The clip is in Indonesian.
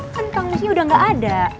kan kang musnya udah gak ada